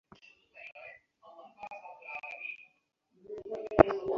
তিনি সাবির নামে বিখ্যাত হয়েছিলেন।